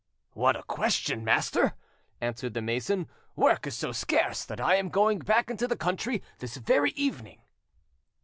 "What a question, master!" answered the mason. "Work is so scarce that I am going back into the country this very evening."